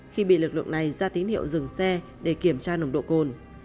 khi bị lực lượng này ra tín hiệu dừng xe để kiểm tra nồng độ cồn